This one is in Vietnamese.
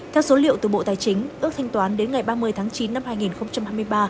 theo số liệu từ bộ tài chính ước thanh toán đến ngày ba mươi tháng chín năm hai nghìn hai mươi ba